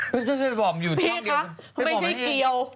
พี่คะไม่ใช่เกียว